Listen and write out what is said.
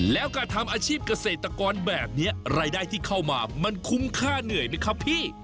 แล้วการทำอาชีพเกษตรกรแบบนี้รายได้ที่เข้ามามันคุ้มค่าเหนื่อยไหมครับพี่